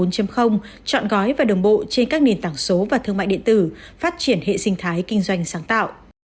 chọn gói và đồng bộ trên các nền tảng số và thương mại điện tử phát triển hệ sinh thái kinh doanh sáng tạo